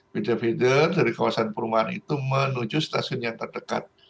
feeder feeder dari kawasan perumahan itu menuju stasiun yang terdekat